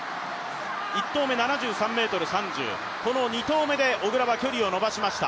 １投目、７３ｍ３０この２投目で、小椋は距離を延ばしました。